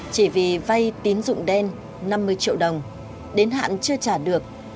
chỉ vì vay tín dụng đen năm mươi triệu đồng đến hạn chưa trả được